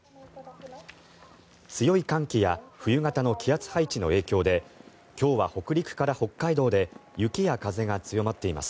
強い寒気や冬型の気圧配置の影響で今日は北陸から北海道で雪や風が強まっています。